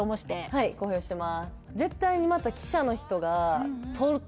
はい公表してます